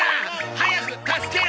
早く助けろ！